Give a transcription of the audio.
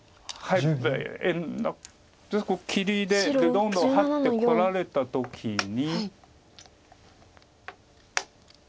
どんどんハッてこられた時に。